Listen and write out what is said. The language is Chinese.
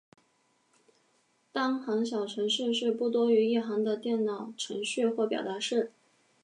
单行小程式是不多于一行的电脑程序或表达式。